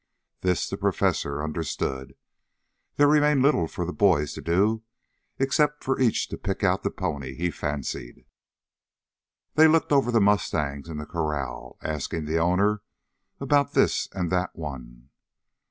This the Professor understood. There remained little for the boys to do except for each to pick out the pony be fancied. They looked over the mustangs in the corral, asking the owner about this and that one.